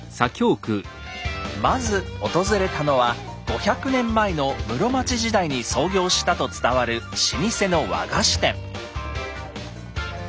まず訪れたのは５００年前の室町時代に創業したと伝わる老舗の和菓子店。